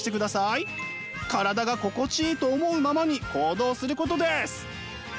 体が心地いいと思うままに行動することです。